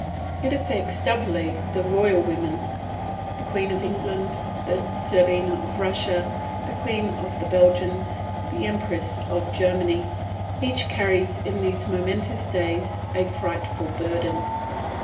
It affects doubly the royal women. The Queen of England, the Czarina of Russia, the Queen of the Belgians, the Empress of Germany, each carries in these momentous days a frightful burden.